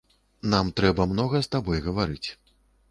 Нам трэба многа з табой гаварыць.